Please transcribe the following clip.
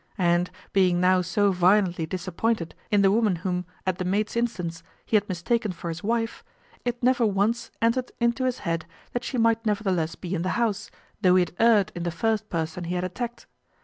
And being now so violently disappointed in the woman whom, at the maid's instance, he had mistaken for his wife, it never once entered into his head that she might nevertheless be in the house, though he had erred in the first person he had attacked.